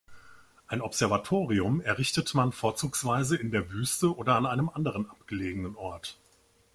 Ein Observatorium errichtet man vorzugsweise in der Wüste oder an einem anderen abgelegenen Ort.